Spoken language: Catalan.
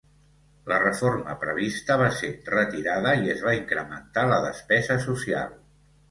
La reforma prevista va ser retirada i es va incrementar la despesa social.